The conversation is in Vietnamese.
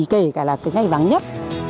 kể cả là cái ngày vắng nhất